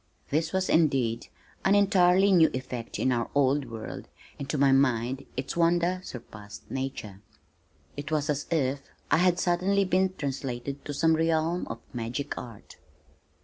This was, indeed, an entirely new effect in our old world and to my mind its wonder surpassed nature. It was as if I had suddenly been translated to some realm of magic art.